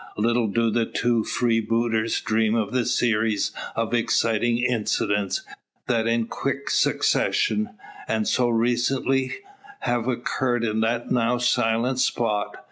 Little do the two freebooters dream of the series of exciting incidents that in quick succession, and so recently, have occurred in that now silent spot.